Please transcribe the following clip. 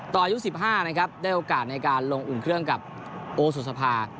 อายุ๑๕นะครับได้โอกาสในการลงอุ่นเครื่องกับโอสุสภา